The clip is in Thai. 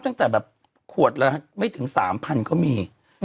ตั้งแต่แบบขวดละไม่ถึง๓๐๐ก็มี